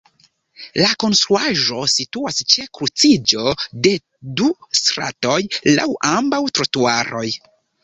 La konstruaĵo situas ĉe kruciĝo de du stratoj laŭ ambaŭ trotuaroj.